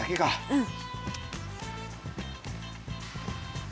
うん？